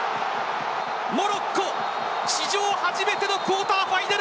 モロッコ史上初めてのクオーターファイナル